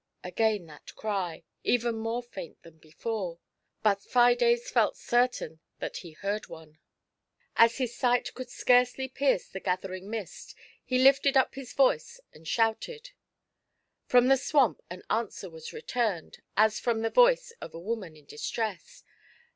Again that cry, even more faint than before; but Fides felt certain that he heard one. As his sight could scarcely pierce the gathering mist, he lifted up his voice and shouted. From the swamp an answer was returned, as from the voice of a woman in distress.